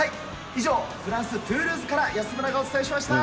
以上、フランス・トゥールーズから安村がお伝えしました。